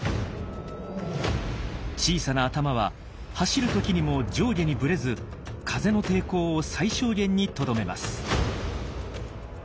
小さな頭は走る時にも上下にぶれず風の抵抗を最小限にとどめます。